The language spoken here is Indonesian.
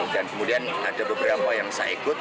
dan kemudian ada beberapa yang saya ikut